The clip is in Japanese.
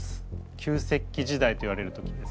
旧石器時代といわれる時です。